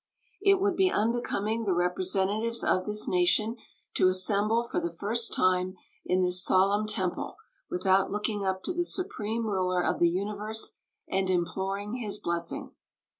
It would be unbecoming the representatives of this nation to assemble for the first time in this solemn temple without looking up to the Supreme Ruler of the Universe and imploring His blessing.